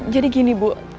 jadi gini bu